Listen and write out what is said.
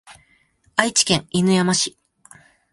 愛知県犬山市